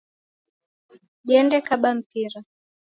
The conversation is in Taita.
Diende kaba mpira